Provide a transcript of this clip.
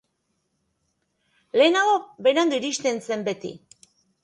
Lehenago berandu iristen zen beti.